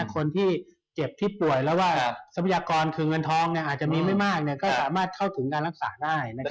คนที่เก็บที่ป่วยแล้วว่าศัพยากรถือเงินทองเนี่ยอาจจะมีไม่มากเนี่ยก็สามารถเข้าถึงการรักษาได้นะครับ